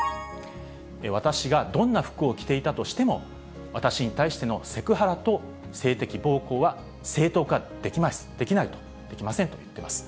私がどんな服を着ていたとしても、私に対してのセクハラと性的暴行は正当化できないと、できませんと言っています。